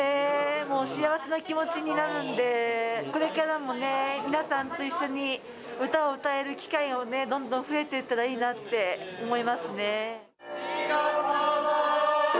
もう幸せな気持ちになるんでこれからもね、皆さんと一緒に歌を歌える機会がどんどん増えていったらいいなって思いますね。